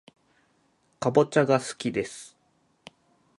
かぼちゃがすきです